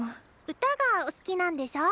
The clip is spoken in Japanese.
歌がお好きなんでしょう？